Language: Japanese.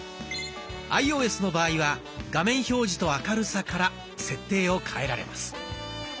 アイオーエスの場合は「画面表示と明るさ」から設定を変えられます。